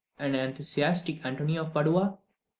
an enthusiastic Antonio of Padua!